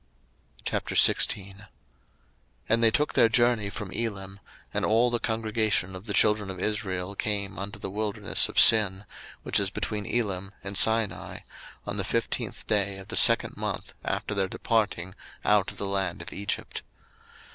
02:016:001 And they took their journey from Elim, and all the congregation of the children of Israel came unto the wilderness of Sin, which is between Elim and Sinai, on the fifteenth day of the second month after their departing out of the land of Egypt.